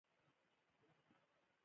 کچالو د کوچنیانو د زوکړې پر مهال هم پخېږي